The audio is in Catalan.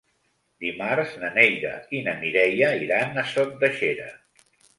Dimarts na Neida i na Mireia iran a Sot de Xera.